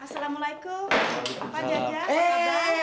assalamu'alaikum bapak jajah